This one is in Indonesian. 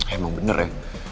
emang bener ya